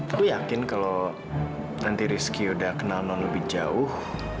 aku yakin kalau nanti rizky udah kenal non lebih jauh